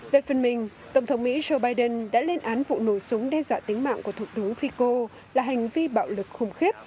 về phần mình tổng thống mỹ joe biden đã lên án vụ nổ súng đe dọa tính mạng của thủ tướng fico là hành vi bạo lực khủng khiếp